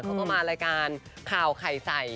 เขาก็มารายการข่าวไข่ใส่